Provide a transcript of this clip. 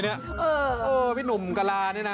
พี่หนุ่มกรารั์นี้นะ